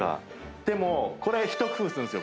でもこれ一工夫するんですよ。